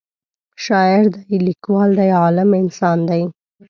شاعر دی لیکوال دی عالم انسان دی